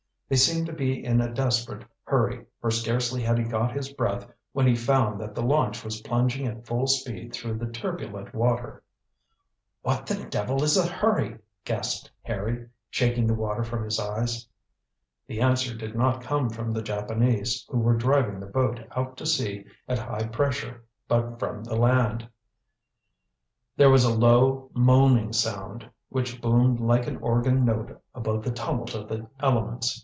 They seemed to be in a desperate hurry, for scarcely had he got his breath when he found that the launch was plunging at full speed through the turbulent water. "What the devil is the hurry!" gasped Harry, shaking the water from his eyes. The answer did not come from the Japanese, who were driving the boat out to sea at high pressure but from the land. There was a low, moaning sound, which boomed like an organ note above the tumult of the elements.